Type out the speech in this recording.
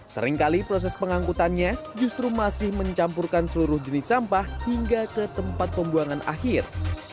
seringkali proses pengangkutannya justru masih mencampurkan seluruh jenis sampah hingga ke tempat pembuangan akhir